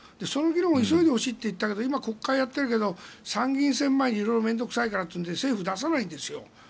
その議論を急いでほしいといったけど今、国会をやっているけど参院選前に色々面倒臭いからって政府は出さないんですよ。